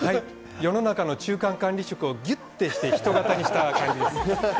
世の中の中間管理職をぎゅっとして人型にした感じです。